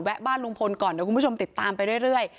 เดี๋ยวคุณผู้ชมติดตามไปเรื่อย